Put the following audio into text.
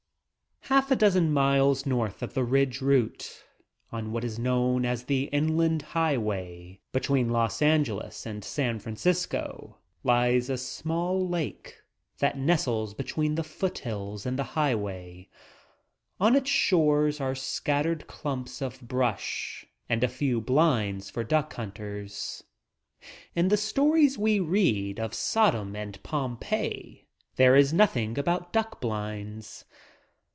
Half a dozen miles north of the Ridge Route on what is known as the inland highway between Los Angeles and San Francisco lies a small lake that nestles between the foothills and the highway. On its shores are scattered clumps of brush and a few blinds for duck hunters. In the stories we read of Sodom and Pomp there is nothing about duck blinds.